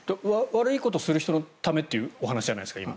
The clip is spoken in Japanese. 悪いことをする人のためというお話じゃないですか。